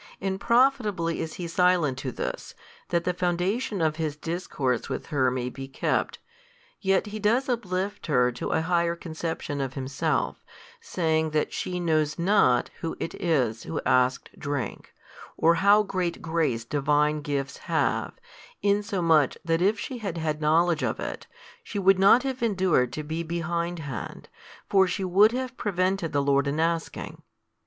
And profitably is He silent to this, that the foundation of His discourse with her may be kept. Yet does He uplift her to a higher conception of Himself, saying that she knows not Who It is Who asked drink, or how great grace Divine gifts have, insomuch that if she had had knowledge of it, she would not have endured to be behindhand, for she would have prevented the Lord in asking.